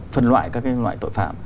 phân loại các cái loại tội phạm